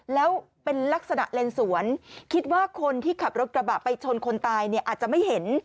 แล้วเป็นลักษณะเลนสวนคิดว่าคนที่ขับรถกระบะไปชนคนตายเนี่ยอาจจะไม่เห็น